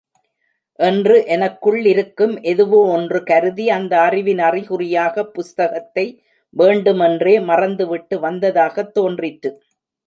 என்று எனக்குள் இருக்கும் எதுவோ ஒன்று கருதி அந்த அறிவின் அறிகுறியாகப் புஸ்தகத்தை வேண்டுமென்றே மறந்துவிட்டு வந்ததாகத் தோன்றிற்று.